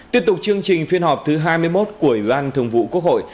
tiếp tục chương trình phiên họp thứ hai mươi một của ủy ban thường vụ quốc hội